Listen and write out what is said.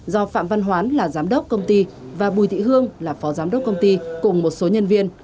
do phạm văn hoán là giám đốc công ty và bùi thị hương là phó giám đốc công ty cùng một số nhân viên